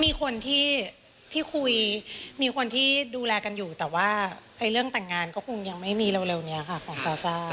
มีคนที่คุยมีคนที่ดูแลกันอยู่แต่ว่าเรื่องแต่งงานก็คงยังไม่มีเร็วนี้ค่ะของซาซ่า